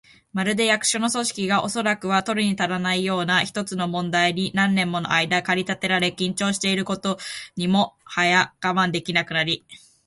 まるで、役所の組織が、おそらくは取るにたらぬような一つの問題に何年ものあいだ駆り立てられ、緊張していることにもはや我慢できなくなり、